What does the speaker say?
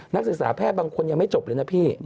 นักศึกษาแพทย์บางคนยังไม่จบเลยนะพี่